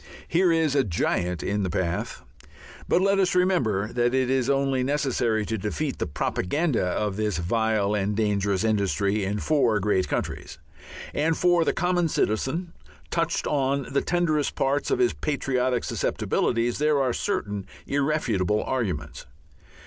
Here is a giant in the path.... But let us remember that it is only necessary to defeat the propaganda of this vile and dangerous industry in four great countries. And for the common citizen, touched on the tenderest part of his patriotic susceptibilities, there are certain irrefutable arguments.